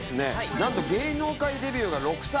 なんと芸能界デビューが６歳。